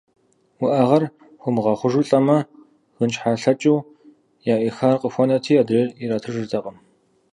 Уӏэгъэр хуэмыгъэхъужу лӏэмэ, гынщхьэлъэкӏыу яӏихар къыхуэнэти, адрейр иратыжыртэкъым.